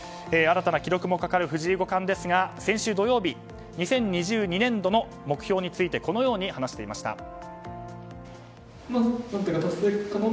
新たな記録もかかる藤井五冠ですが先週土曜日２０２２年度の目標についてこのように話していました。